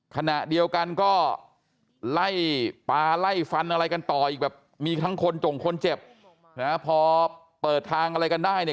ขณะเดียวกันก็ไล่ปลาไล่ฟันอะไรกันต่ออีกแบบมีทั้งคนจงคนเจ็บนะพอเปิดทางอะไรกันได้เนี่ย